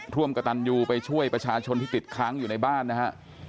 ร่วมกระตันยูไปช่วยประชาชนที่ติดค้างอยู่ในบ้านนะฮะ